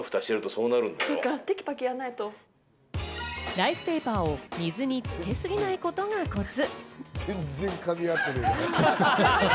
ライスペーパーを水につけすぎないことがコツ。